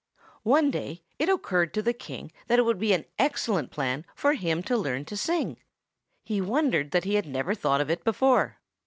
One day it occurred to the King that it would be an excellent plan for him to learn to sing. He wondered that he had never thought of it before.